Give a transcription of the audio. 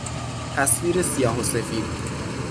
تصویر سیاه و سفید